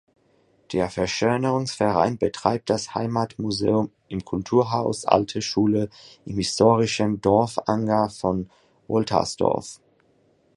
Der Verschönerungsverein betreibt das Heimatmuseum im "Kulturhaus Alte Schule" im historischen Dorfanger von Woltersdorf.